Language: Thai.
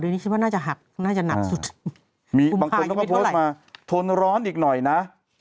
เดี๋ยวนี้คิดว่าน่าจะหักน่าจะหนักสุดมีบางคนเขาก็โพสต์มาทนร้อนอีกหน่อยนะ